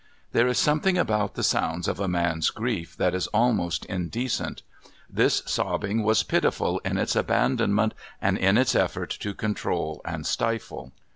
There is something about the sounds of a man's grief that is almost indecent. This sobbing was pitiful in its abandonment and in its effort to control and stifle.